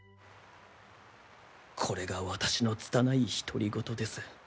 これが私のつたない独り言です。